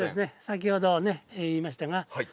先ほどね言いましたが水田ね